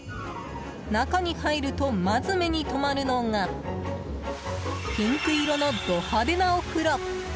中に入ると、まず目に留まるのがピンク色のド派手なお風呂。